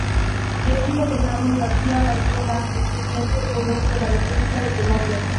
Es hijo de Carlos García Orjuela, expresidente del Congreso de la República de Colombia.